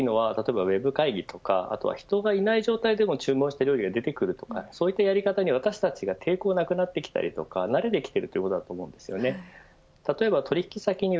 何より大きいのは例えばウェブ会議とかあとは人がいない状態でも注文した料理が出てくるとかそういったやり方に、私たちが抵抗なくなってきたりとか慣れてきているということだと思うんですよね。